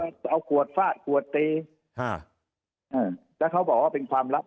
เอาขวดฟาดขวดตีฮะอ่าแล้วเขาบอกว่าเป็นความลับ